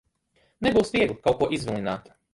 Nebūs viegli kaut ko izvilināt.